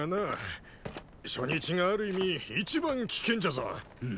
初日がある意味一番危険じゃぞ。